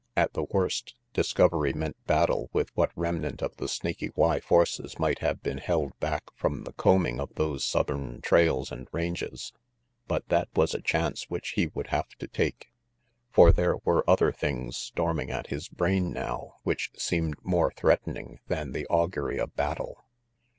At the worst, discovery meant battle with what remnant of the Snaky Y forces might have been held back from the combing of those southern trails and ranges; but that was a chance which he would have RANGY PETE 351 to take. For there were other things storming at his brain now which seemed more threatening than the augury of battle.